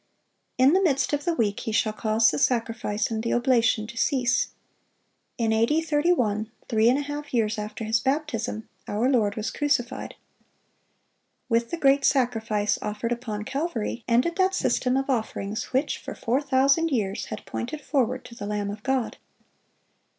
(545) "In the midst of the week He shall cause the sacrifice and the oblation to cease." In A.D. 31, three and a half years after His baptism, our Lord was crucified. With the great sacrifice offered upon Calvary, ended that system of offerings which for four thousand years had pointed forward to the Lamb of God.